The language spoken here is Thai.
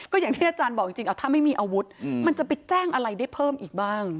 ก็อย่างที่อาจารย์บอกจริงเอาถ้าไม่มีอาวุธมันจะไปแจ้งอะไรได้เพิ่มอีกบ้าง